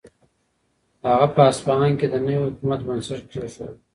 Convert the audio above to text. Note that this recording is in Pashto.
هغه په اصفهان کې د نوي حکومت بنسټ کېښود.